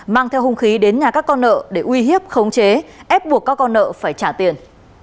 mang theo hung khí đến nhà các con nợ để uy hiếp khống chế ép buộc các con nợ phải trả tiền